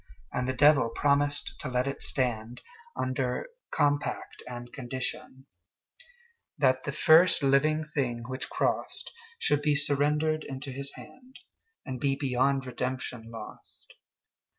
And the Devil promised to let it stand, Under compact and conditionThat the first living thing which crossedShould be surrendered into his hand, And be beyond redemption lost.